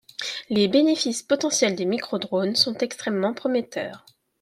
Les bénéfices potentiels des micro-drones sont extrêmement prometteurs.